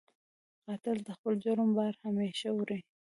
قاتل د خپل جرم بار همېشه وړي